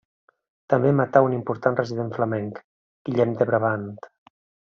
També matà un important resident flamenc, Guillem de Brabant.